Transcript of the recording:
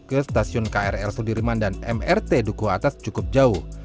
ke stasiun krl sudirman dan mrt dukuh atas cukup jauh